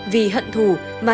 vì hận thù của các con của mình